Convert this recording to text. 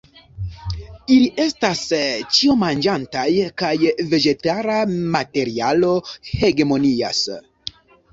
Ili estas ĉiomanĝantaj, kaj vegetala materialo hegemonias.